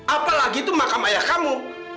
apalagi itu makam ayah kamu